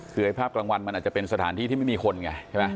คือภาพกลางวันมันอาจจะเป็นสถานที่ที่ไม่มีคนไง